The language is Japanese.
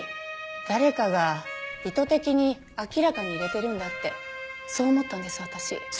誰かが意図的に明らかに入れてるんだってそう思ったんです私。